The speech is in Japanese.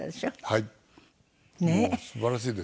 はい。